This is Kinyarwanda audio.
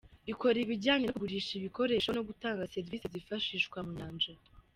ikora ibijyanye no kugurisha ibikoresho no gutanga serivisi zifashishwa mu nyanjya.